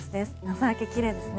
朝焼け、きれいですね。